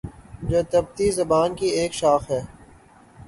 جو تبتی زبان کی ایک شاخ ہے